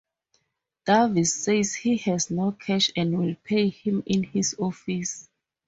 Davis says he has no cash and will pay him in his office.